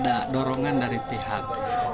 pada saat ada dorongan dari pihak pemerintah setempat